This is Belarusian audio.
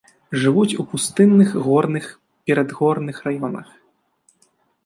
Жывуць у пустынных, горных, перадгорных раёнах.